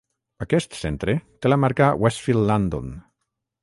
Aquest centre té la marca "Westfield London".